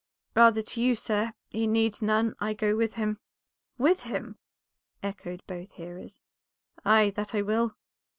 "Rather to you, sir; he needs none, I go with him." "With him!" echoed both hearers. "Ay, that I will.